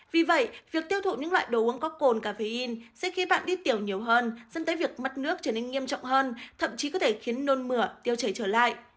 vì vậy việc tiêu thụ những loại đồ uống có cồn cà phê in sẽ khiến bạn đi tiểu nhiều hơn dẫn tới việc mất nước trở nên nghiêm trọng hơn thậm chí có thể khiến nôn mửa tiêu chảy trở lại